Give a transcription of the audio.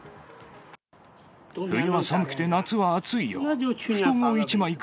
冬は寒くて、夏は暑いよ。